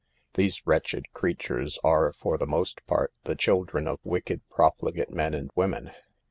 These wretched creatures are, for the most part, the children of wicked, prof ligate men and women.